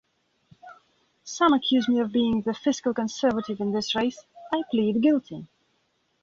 Some accuse me of being the fiscal conservative in this race-I plead guilty!